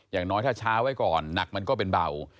อย่างน้อยถ้าช้าไว้ก่อนหนักมันก็เป็นเบา